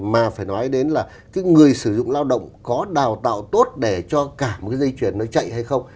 mà phải nói đến là cái người sử dụng lao động có đào tạo tốt để cho cả một cái dây chuyển nó chạy hay không